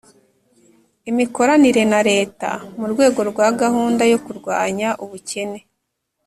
imikoranire na leta mu rwego rwa gahunda yo kurwanya ubukene.